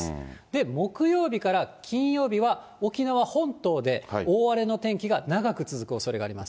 で、木曜日から金曜日は、沖縄本島で大荒れの天気が長く続くおそれがあります。